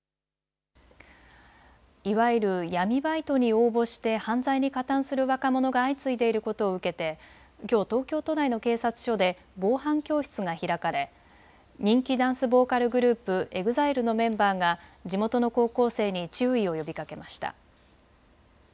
いわゆる闇バイトに応募して犯罪に加担する若者が相次いでいることを受けてきょう東京都内の警察署で防犯教室が開かれ人気ダンスボーカルグループ、ＥＸＩＬＥのメンバーが地元の高校生に注意を呼びかけました。